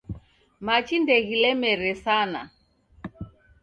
Machi ndeghilemere sana